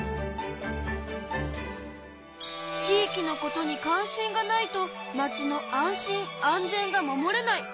地域のことに関心がないとまちの安心・安全が守れない。